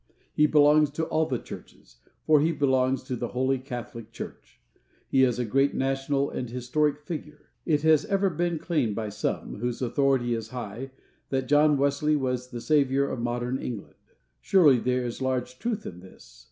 He belongs to all the churches, for he belongs to the "Holy Catholic Church." He is a great national and historic figure. It has ever been claimed by some, whose authority is high, that John Wesley was the saviour of modern England. Surely there is large truth in this.